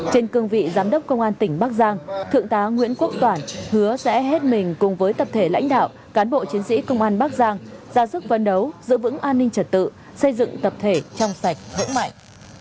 trên cương vị giám đốc công an tỉnh bắc giang thượng tá nguyễn quốc toản hứa sẽ hết mình cùng với tập thể lãnh đạo cán bộ chiến sĩ công an bắc giang ra sức vận đấu giữ vững an ninh trật tự xây dựng tập thể trong sạch vững mạnh